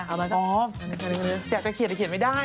จับ็นเผียบจะเขียนแต่เขียนไม่ได้